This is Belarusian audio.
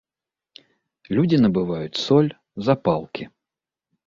Людзі набываюць соль, запалкі.